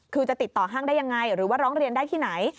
คือจะติดต่อห้างได้ยังไงหรือว่าร้องเรียนได้ที่ไหน